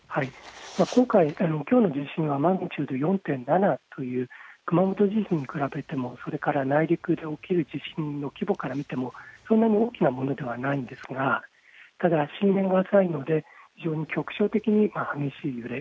今回、きょうの地震はマグニチュード４．７という、熊本地震に比べても、それから、内陸で起きる地震の規模から見てもそんなに大きなものではないんですが、ただ、震源が浅いので、非常に局所的に激しい揺れ。